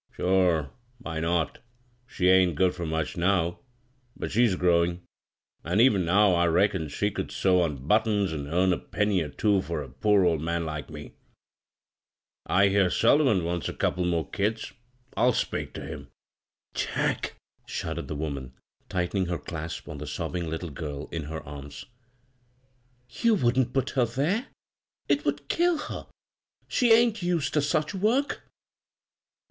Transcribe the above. "Sure! Why not? She ain't good fur much now — but she's growin' ; an' even now I reckon she oould sew on buttons an* earn a penny or two for a poor old man like me. ) hear Sullivan wants a couple more kids. I'll speak ter him." "Jack !" shuddered the woman, tightening her clasp on the sobbing little girl in her 43 b, Google CROSS CURRENTS arms. " You wouldn't put her there I It would kill her] She ain't used ter sudi work."